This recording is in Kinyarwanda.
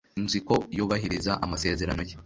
Nzi ko yubahiriza amasezerano ye.